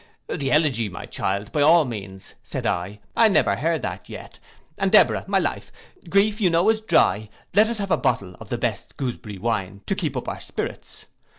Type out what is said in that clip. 'The elegy, child, by all means,' said I, 'I never heard that yet; and Deborah, my life, grief you know is dry, let us have a bottle of the best gooseberry wine, to keep up our spirits.